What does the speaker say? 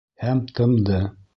Һәм тымды.